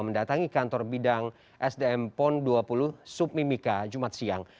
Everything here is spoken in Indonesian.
mendatangi kantor bidang sdm pon dua puluh submika jumat siang